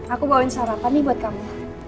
aku bawain sarapan nih buat kamu